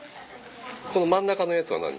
この真ん中のやつは何？